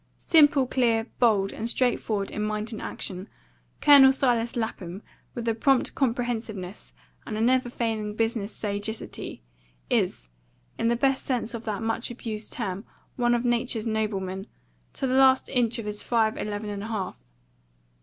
Simple, clear, bold, and straightforward in mind and action, Colonel Silas Lapham, with a prompt comprehensiveness and a never failing business sagacity, is, in the best sense of that much abused term, one of nature's noblemen, to the last inch of his five eleven and a half.